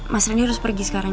mas reni harus pergi sekarang